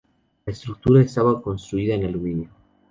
La estructura estaba construida en aluminio.